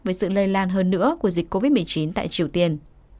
với sự lây lan hơn nữa của dịch covid một mươi chín tại triều tiên